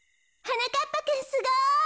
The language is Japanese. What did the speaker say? なかっぱくんすごい。